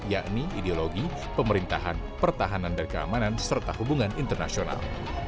yakni ideologi pemerintahan pertahanan dan keamanan serta hubungan internasional